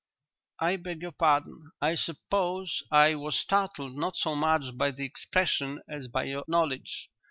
'" "I beg your pardon. I suppose I was startled not so much by the expression as by your knowledge.